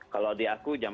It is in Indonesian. kalau di aku jam delapan